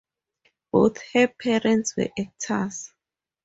Both her parents were actors.